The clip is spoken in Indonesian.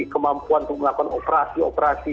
kemampuan untuk melakukan operasi operasi